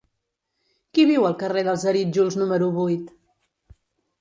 Qui viu al carrer dels Arítjols número vuit?